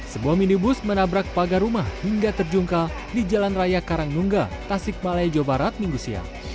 sebuah minibus menabrak pagar rumah hingga terjungkal di jalan raya karangnungga tasik malaya jawa barat minggu siang